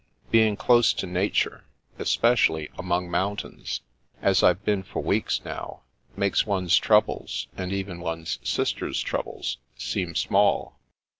Being close to nature, especially among mountains, as I've been for weeks now, makes one's troubles and even one's sister's troubles seem small."